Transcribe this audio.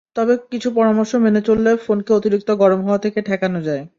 তবে কিছু পরামর্শ মেনে চললে ফোনকে অতিরিক্ত গরম হওয়া থেকে ঠেকানো যায়।